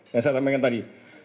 yang saya tamankan tadi